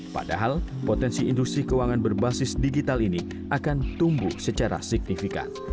padahal potensi industri keuangan berbasis digital ini akan tumbuh secara signifikan